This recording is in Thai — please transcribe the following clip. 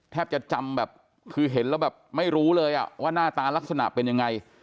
แทบจะจำแบบคือเห็นแล้วแบบไม่รู้เลยว่าหน้าตาลักษณะเป็นยังไง